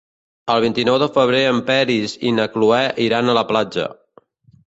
El vint-i-nou de febrer en Peris i na Cloè iran a la platja.